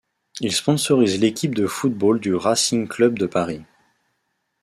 Il sponsorise l’équipe de football du Racing Club de Paris.